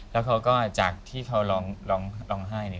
แล้วเขาก็จากที่เขาร้องไห้